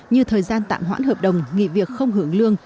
như thời gian tạm hoãn hợp đồng nghỉ việc không hưởng lương